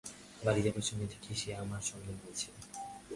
বাড়ি যাবার সময় দেখি, সে আমার সঙ্গ নিয়েছে।